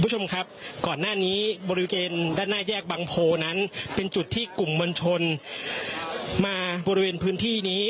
คุณผู้ชมครับก่อนหน้านี้บริเวณด้านหน้าแยกบังโพนั้นเป็นจุดที่กลุ่มมวลชนมาบริเวณพื้นที่นี้